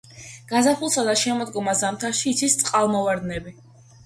გაზაფხულსა და შემოდგომა-ზამთარში იცის წყალმოვარდნები.